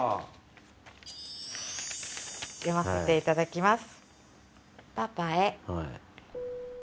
読ませていただきます。